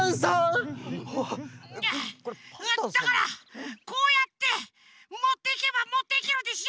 だからこうやってもっていけばもっていけるでしょ！